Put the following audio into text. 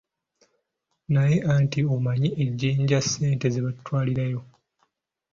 Naye anti omanyi e jjinja ssente ze batutwalirayo.